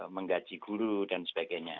menggaji guru dan sebagainya